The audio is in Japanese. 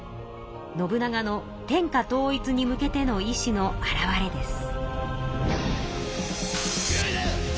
信長の天下統一に向けての意志の表れです。